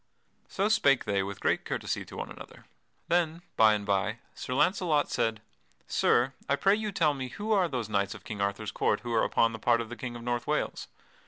So spake they with great courtesy to one another. Then, by and by, Sir Launcelot said: "Sir, I pray you tell me who are those knights of King Arthur's court who are upon the part of the King of North Wales?